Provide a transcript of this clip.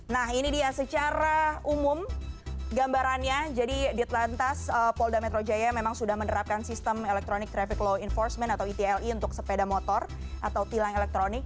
nah ini dia secara umum gambarannya jadi ditelantas polda metro jaya memang sudah menerapkan sistem electronic traffic law enforcement atau etle untuk sepeda motor atau tilang elektronik